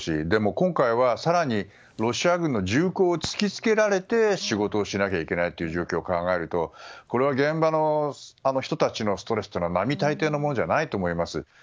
でも、今回は更にロシア軍の銃口を突き付けられて仕事をしなきゃいけないという状況を考えるとこれは現場の人たちのストレスは並大抵のものじゃないと思います。